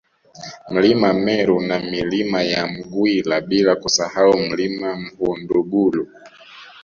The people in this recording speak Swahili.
Mlima Meru na Milima ya Mgwila bila kusahau Mlima Mhundugulu